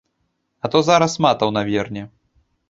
А то зараз матаў наверне.